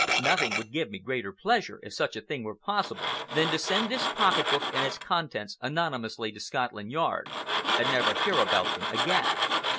Nothing would give me greater pleasure, if such a thing were possible, than to send this pocket book and its contents anonymously to Scotland Yard, and never hear about them again."